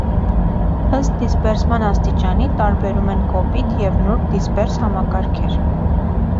Ըստ դիսպերսման աստիճանի, տարբերում են կոպիտ ն նուրբ դիսպերս համակարգեր։